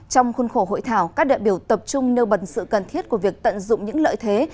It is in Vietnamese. trong khuôn khổ hội thảo các đại biểu tập trung nêu bật sự cần thiết của việc tận dụng những lợi thế